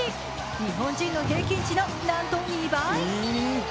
日本人の平均値のなんと２倍。